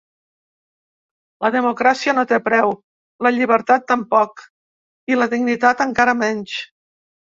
La democràcia no té preu, la llibertat tampoc i la dignitat encara menys.